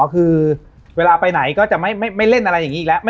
อ่อคือเวลาไปไหนก็จะไม่เล่นอะไรอย่างนี้หรอ